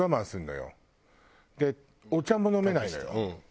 でお茶も飲めないのよ。